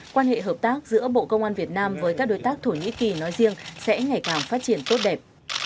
quan hệ hợp tác giữa bộ công an việt nam với các đối tác thổ nhĩ kỳ nói riêng sẽ ngày càng phát triển tốt đẹp